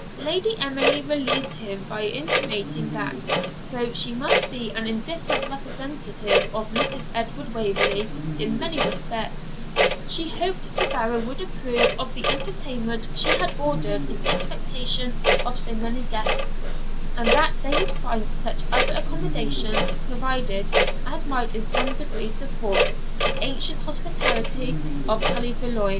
Lady Emily relieved him by intimating that, though she must be an indifferent representative of Mrs. Edward Waverley in many respects, she hoped the Baron would approve of the entertainment she had ordered in expectation of so many guests; and that they would find such other accommodations provided as might in some degree support the ancient hospitality of Tully Veolan.